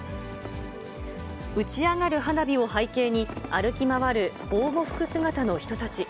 打ち上がる花火を背景に、歩き回る防護服姿の人たち。